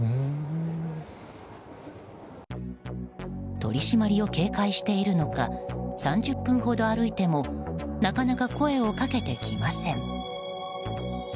取り締まりを警戒しているのか３０分ほど歩いてもなかなか声をかけてきません。